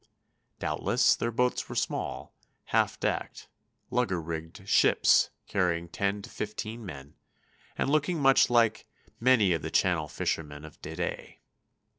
Doubtless their boats were small, half decked, lugger rigged "shyppes," carrying ten to fifteen men, and looking much like many of the Channel fishermen of to day.